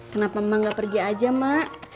kenapa mak gak pergi aja mak